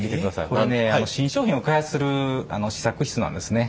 これはね新商品を開発する試作室なんですね。